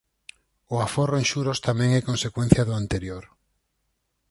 O aforro en xuros tamén é consecuencia do anterior.